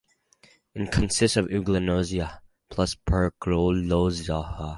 It consists of Euglenozoa plus Percolozoa.